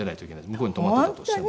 向こうに泊まってたとしても。